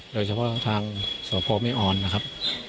โดยเฉพาะทางสพแม่อ่อนนะครับ